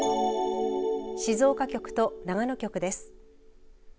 静岡局と長野局です。